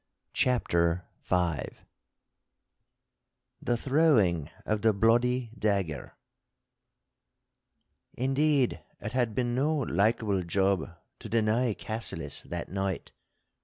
*CHAPTER V* *THE THROWING OF THE BLOODY DAGGER* Indeed it had been no likeable job to deny Cassillis that night.